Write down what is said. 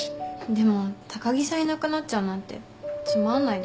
でも高木さんいなくなっちゃうなんてつまんないです。